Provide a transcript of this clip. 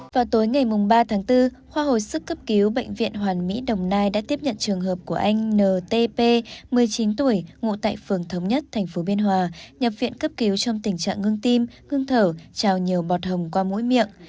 vào tối ngày ba tháng bốn khoa hồi sức cấp cứu bệnh viện hoàn mỹ đồng nai đã tiếp nhận trường hợp của anh ntp một mươi chín tuổi ngụ tại phường thống nhất tp biên hòa nhập viện cấp cứu trong tình trạng ngưng tim ngưng thở trào nhiều bọt hồng qua mũi miệng